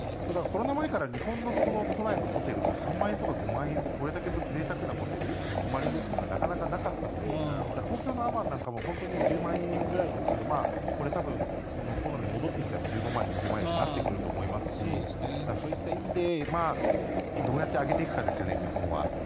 コロナ前から日本の都内のホテルでも３万円とか５万円でこれだけぜいたくなホテルに泊まれるっていうのはなかなかなかったので東京のアマンなんかも１０万円ぐらいですけどこれ多分、コロナから戻ってきて１５万円、２０万円になってくると思いますしそういった意味でどうやって上げていくかですよね日本は。